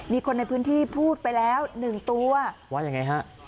มีคนในพื้นที่พูดไปแล้วหนึ่งตัวว่ายังไงฮะ